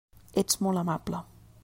Ets molt amable.